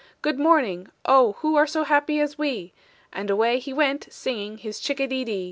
Good morning! Oh, who are so happy as we?" And away he went singing his chick a de dee.